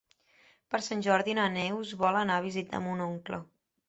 Per Sant Jordi na Neus vol anar a visitar mon oncle.